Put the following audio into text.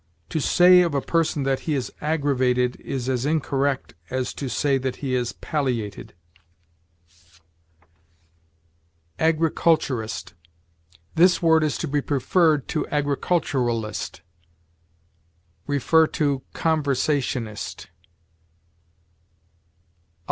To say of a person that he is aggravated is as incorrect as to say that he is palliated. AGRICULTURIST. This word is to be preferred to agriculturalist. See CONVERSATIONIST.